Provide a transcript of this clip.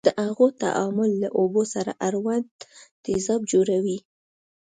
د هغو تعامل له اوبو سره اړوند تیزاب جوړوي.